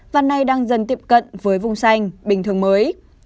và nay đang dần tiếp cận với vùng xanh bình thường mới